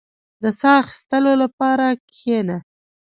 • د ساه اخيستلو لپاره کښېنه.